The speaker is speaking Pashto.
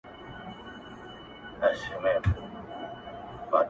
ښه دی چي ته خو ښه يې- گوره زه خو داسي يم-